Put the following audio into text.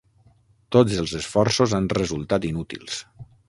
Tots els esforços han resultat inútils.